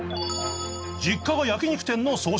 実家が焼肉店の粗品